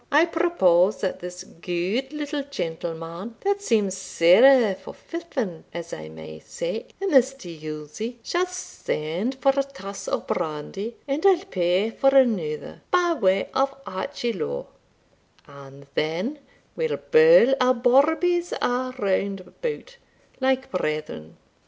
I propose that this good little gentleman, that seems sair forfoughen, as I may say, in this tuilzie, shall send for a tass o' brandy and I'll pay for another, by way of archilowe,* and then we'll birl our bawbees a' round about, like brethren."